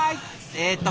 えっと